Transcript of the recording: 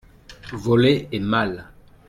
voler est mal.